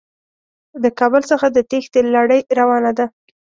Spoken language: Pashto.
د کابل څخه د تېښتې لړۍ روانه ده.